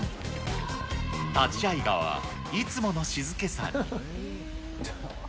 立会川はいつもの静けさに。